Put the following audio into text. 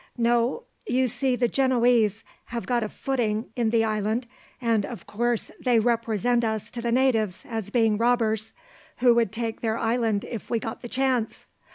"No; you see the Genoese have got a footing in the island, and of course they represent us to the natives as being robbers, who would take their island if we got the chance.